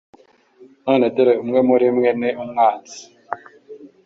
None dore umwe muri mwe ni umwanzi.""